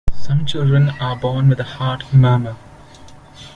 Some children are born with a heart murmur.